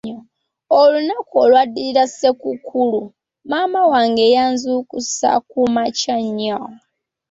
Olunaku olwaddirira ssekukkulu, maama wange yanzuukusa ku makya ennyo.